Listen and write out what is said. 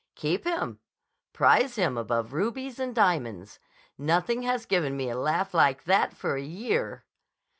"Keep him. Prize him above rubies and diamonds. Nothing has given me a laugh like that for a year."